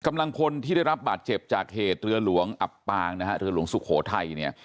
กำลังพลที่ได้รับบาดเจ็บจากเหตุเรือหลวงอับปางนะฮะเรือหลวงสุโขทัยเนี่ย